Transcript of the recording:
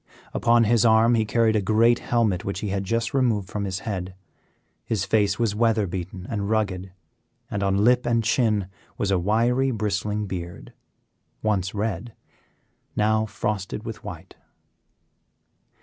Upon his arm he carried a great helmet which he had just removed from his head. His face was weather beaten and rugged, and on lip and chin was a wiry, bristling beard; once red, now frosted with white.